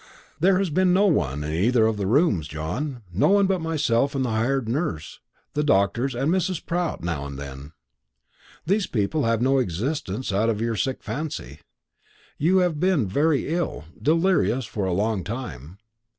"There has been no one in either of the rooms, John; no one but myself and the hired nurse, the doctors, and Mrs. Pratt now and then. These people have no existence out of your sick fancy. You have been very ill, delirious, for a long time.